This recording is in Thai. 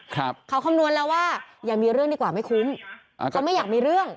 ครับเขาคำนวณแล้วว่าอย่ามีเรื่องดีกว่าไม่คุ้มอ่าเขาไม่อยากมีเรื่อง